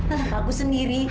anak aku sendiri